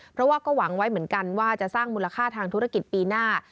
เพราะว่าก็หวังไว้เหมือนกันว่าจะสร้างมูลค่าทางธุรกิจปีหน้า